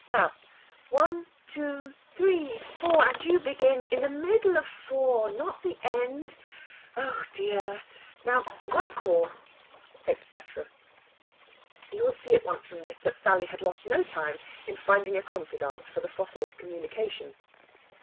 Now one, two, three, four, and you begin in the middle of four not the end. Oh dear! Now once more...." etc. You will at once see from this that Sally had lost no time in finding a confidante for the fossil's communication.